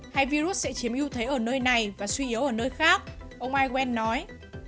hay virus sẽ chiếm ưu thế ở nơi này và suy yếu ở nơi khác ông miguel nói